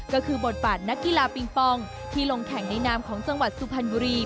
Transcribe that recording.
ก็คือบทบาทนักกีฬาปิงปองที่ลงแข่งในนามของจังหวัดสุพรรณบุรี